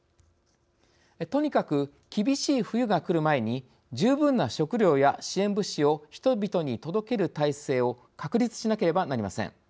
とにかく、厳しい冬が来る前に十分な食料や支援物資を人々に届ける態勢を確立しなければなりません。